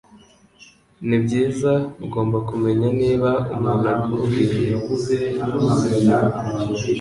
Nibyiza ugomba kumenya niba umuntu akubwiye